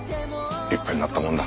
立派になったもんだ。